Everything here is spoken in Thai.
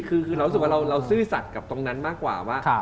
คือเรารู้สึกว่าเราซื่อสัตว์กับตรงนั้นมากกว่าว่า